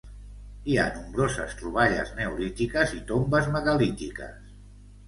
Hi ha nombroses troballes neolítiques i tombes megalítiques.